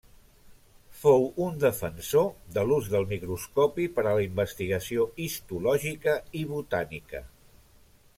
Fou un defensor de l'ús del microscopi per a la investigació histològica i botànica.